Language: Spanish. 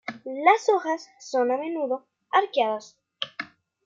Las hojas son a menudo arqueadas.